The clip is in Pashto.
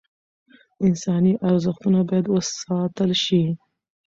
انساني ارزښتونه باید وساتل شي.